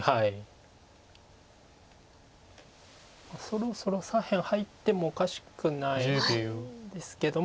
そろそろ左辺を入ってもおかしくないですけど。